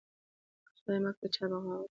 که خدای مکړه چا بغاوت